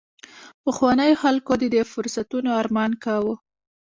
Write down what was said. پخوانیو خلکو د دې فرصتونو ارمان کاوه